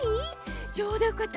ちょうどよかった。